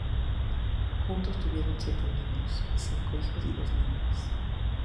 Juntos, tuvieron siete niños, cinco hijos y dos hijas.